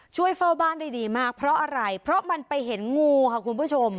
ช่วยเฝ้าบ้านได้ดีมากเพราะอะไรเพราะมันไปเห็นงูค่ะคุณผู้ชม